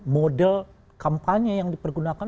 model kampanye yang dipergunakan